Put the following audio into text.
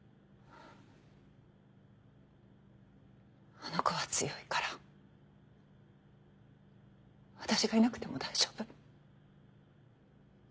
あの子は強いから私がいなくても大丈夫。